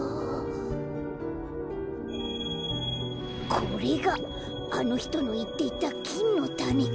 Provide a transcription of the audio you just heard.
これがあのひとのいっていたきんのたねか。